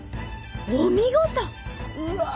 お見事！